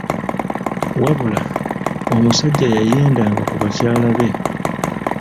"Wabula, omusajja yayendanga ku bakyala be!"